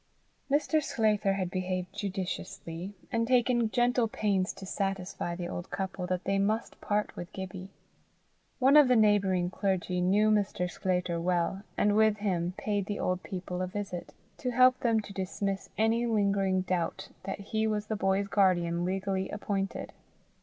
Mr. Sclater had behaved judiciously, and taken gentle pains to satisfy the old couple that they must part with Gibbie. One of the neighbouring clergy knew Mr. Sclater well, and with him paid the old people a visit, to help them to dismiss any lingering doubt that he was the boy's guardian legally appointed.